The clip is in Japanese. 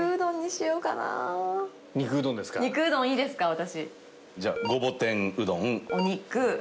私。